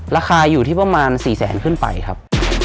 ราคาอยู่ที่ประมาณ๔๐๐๐๐๐บาทขึ้นไปครับ